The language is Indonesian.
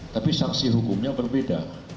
tapi sanksi hukumnya berbeda